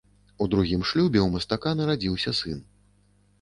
У другім шлюбе ў мастака нарадзіўся сын.